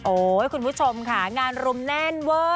คุณผู้ชมค่ะงานรุมแน่นเวอร์